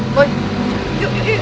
loh yuk yuk yuk